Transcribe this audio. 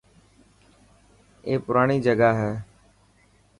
اي پراڻي جگاهي .